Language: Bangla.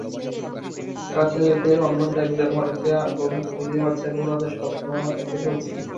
কাছে যেতেই অর্ণব দেখলেন মাটিতে আঙুল ঘুরিয়ে বাচ্চাগুলো তাদের স্বপ্ন এঁকে চলছে।